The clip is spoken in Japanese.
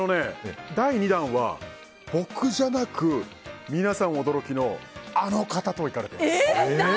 第２弾は僕じゃなく皆さん驚きのあの方と行かれてます。